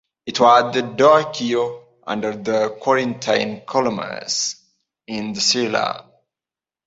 It was of the Doric order, with Corinthian columns in the cella.